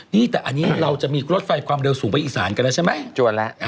นี่แต่อันนี้เราจะมีรถไฟความเร็วสูงไปอีสานกันแล้วใช่ไหมจวนแล้ว